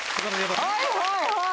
はいはいはい。